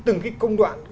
từng cái công đoạn